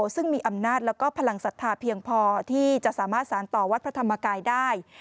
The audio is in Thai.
ซึ่งมีอำนาจแล้วก็พลังศรัทธาเพียงพอที่จะสามารถสารต่อวัดพระธรรมกายได้